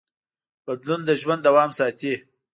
بدلون د ژوند دوام ساتي.